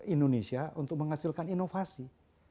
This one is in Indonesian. indonesia untuk menghasilkan inovasi